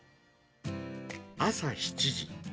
朝７時。